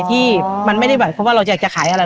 ที่มันไม่ได้ไหวเพราะว่าเราจะอยากจะขายอะไร